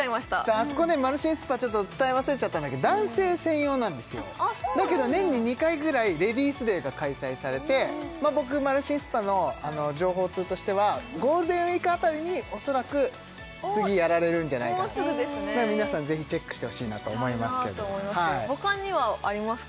あそこねマルシンスパ伝え忘れちゃったんだけど男性専用なんですよだけど年に２回ぐらいレディースデーが開催されて僕マルシンスパの情報通としてはゴールデンウィーク辺りに恐らく次やられるんじゃないかなと皆さんぜひチェックしてほしいなと思いますけどほかにはありますか？